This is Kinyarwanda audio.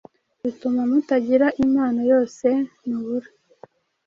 bituma mutagira impano yose mubura,